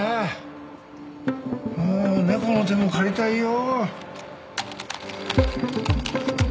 もう猫の手も借りたいよ。